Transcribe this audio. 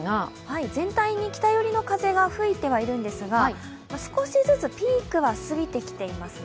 全体に北寄りの風が吹いてはいるんですが、少しずつピークは過ぎてきていますね。